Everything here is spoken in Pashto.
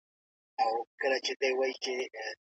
هغه سړی پر وختي سهار کار شروع کړی.